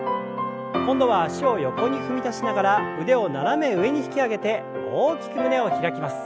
今度は脚を横に踏み出しながら腕を斜め上に引き上げて大きく胸を開きます。